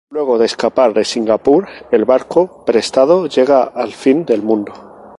Luego de escapar de Singapur, el barco prestado llega al Fin del Mundo.